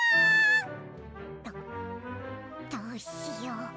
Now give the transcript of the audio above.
どどうしよう。